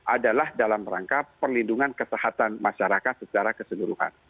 adalah dalam rangka perlindungan kesehatan masyarakat secara keseluruhan